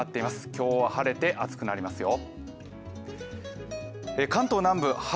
今日は晴れて暑くなりますよ。